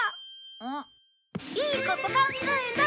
いいこと考えた！